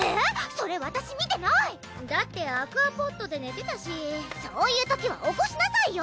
それわたし見てないだってアクアポットでねてたしそういう時は起こしなさいよ！